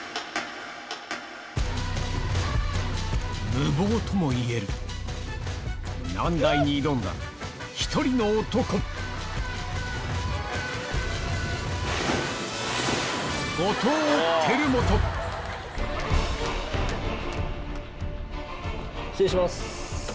無謀ともいえる難題に挑んだ一人の男失礼します。